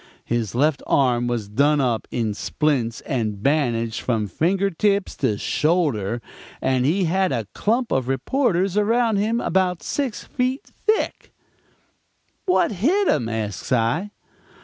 His left arm was done up in splints and bandaged from finger tips to shoulder, and he had a clump of reporters around him about six feet thick. "'What hit him?' asks I.